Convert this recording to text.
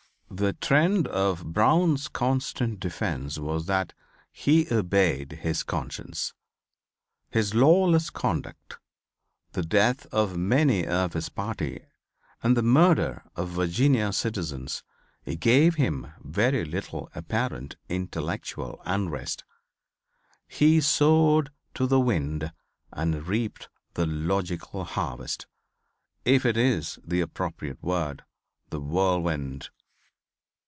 The trend of Brown's constant defence was that he obeyed his conscience. His lawless conduct, the death of many of his party and the murder of Virginia citizens gave him very little apparent intellectual unrest. He sowed to the wind and reaped the logical harvest, if it is the appropriate word, the whirlwind.